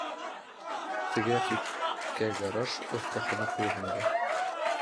Теге яҡ ситкә гараж, оҫтахана ҡуйғанда...